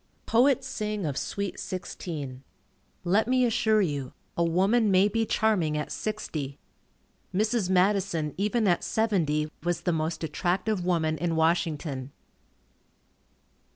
Poets sing of sweet sixteen. Let me assure you, a woman may be charming at sixty. Mrs. Madison even at seventy was the most attractive woman in Washington.